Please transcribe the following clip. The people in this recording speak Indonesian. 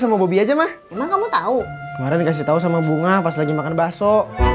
sama bobi aja mah kamu tahu kemarin dikasih tahu sama bunga pas lagi makan bakso